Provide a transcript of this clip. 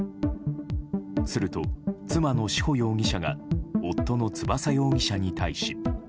すると、妻の志保容疑者が夫の翼容疑者に対し。